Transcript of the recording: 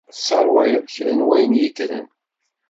Tesseṛwayeḍ kra n wayen yeddren.